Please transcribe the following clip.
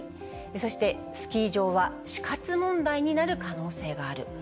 そしてスキー場は死活問題になる可能性がある。